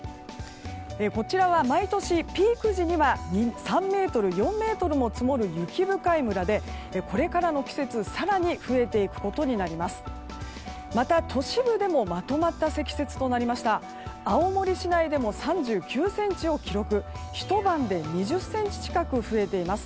こちらは、毎年ピーク時には３ｍ、４ｍも積もる雪深い村で、これからの季節更に増えていくことになります。